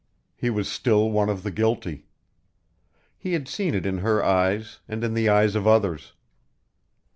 He was still one of the guilty. He had seen it in her eyes and in the eyes of others.